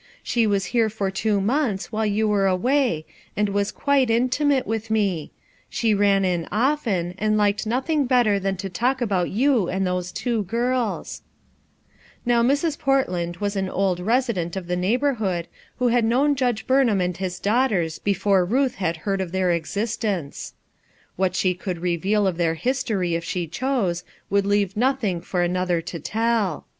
She was here for two months while you were A RETROGRADE MOVEMENT 349 away, aad was quite intimate with me; she rati in often, and liked nothing better than to talk about you and those two girls, Xow Sirs, Portland was an old resident of the neighborhood who had known Judge Burn ham and his daughters before Ruth had heard of their existence. What she could reveal of their history if she chose, would leave nothing for another to tell.